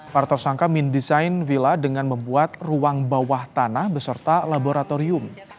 para tersangka mendesain villa dengan membuat ruang bawah tanah beserta laboratorium